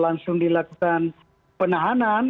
langsung dilakukan penahanan